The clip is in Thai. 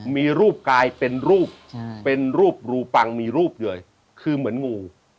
มีรูปกายเป็นรูปเป็นรูปรูปังมีรูปเลยคือเหมือนงู